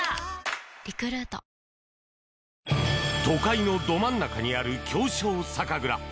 都会のど真ん中にある狭小酒蔵。